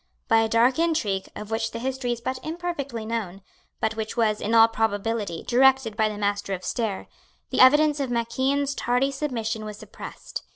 By a dark intrigue, of which the history is but imperfectly known, but which was, in all probability, directed by the Master of Stair, the evidence of Mac Ian's tardy submission was suppressed.